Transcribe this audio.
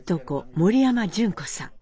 森山純子さん。